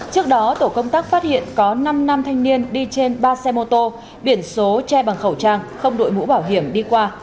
trước đó tổ công tác phát hiện có năm nam thanh niên đi trên ba xe mô tô biển số che bằng khẩu trang không đội mũ bảo hiểm đi qua